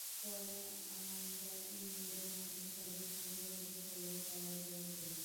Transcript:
পরে আমরা ই-মেইলের মাধ্যমে তাদের সঙ্গে যোগাযোগ করলেও তারা জবাব দেয়নি।